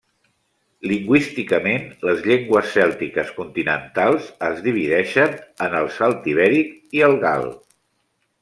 Lingüísticament, les llengües cèltiques continentals es divideixen en el celtibèric i el gal.